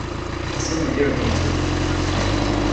Some were irrigated.